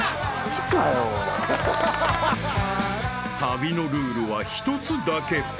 ［旅のルールは一つだけ］